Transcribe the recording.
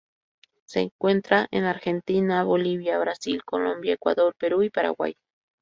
Se encuentra en Argentina, Bolivia, Brasil, Colombia, Ecuador, Perú y Paraguay.